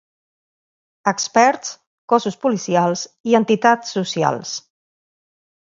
Experts, cossos policials i entitats socials.